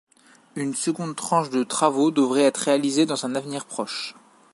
Une seconde tranche de travaux devrait être réalisée dans un avenir proche.